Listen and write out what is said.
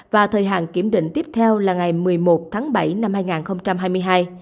và thời hạn kiểm định tiếp theo là ngày một mươi một tháng bảy năm hai nghìn hai mươi hai